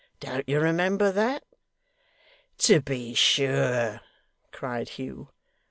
Don't you remember that?' 'To be sure!' cried Hugh.